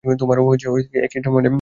তোমার কি একই টা মনে হয় না?